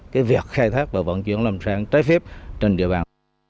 cái việc khai thác và vận chuyển lâm sản trái phép trên địa bàn